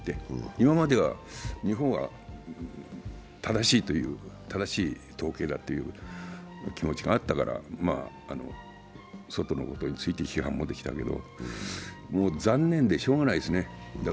今までは日本は正しい統計だという気持ちがあったから外のことについて批判もできたけど、残念でしようがないですね。